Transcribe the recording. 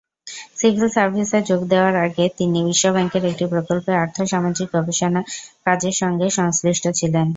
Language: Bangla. সিভিল সার্ভিসে যোগ দেয়ার আগে তিনি বিশ্বব্যাংকের একটি প্রকল্পে আর্থসামাজিক গবেষণা কাজের সঙ্গে সংশ্লিষ্ট ছিলেন।